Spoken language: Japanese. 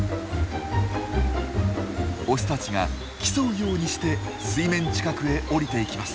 オスたちが競うようにして水面近くへ降りていきます。